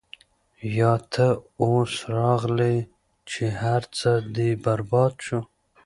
يا تۀ اوس راغلې چې هر څۀ دې برباد شو -